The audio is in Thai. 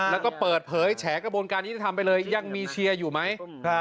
แล้วก็เปิดเผยแฉกระบวนการยุติธรรมไปเลยยังมีเชียร์อยู่ไหม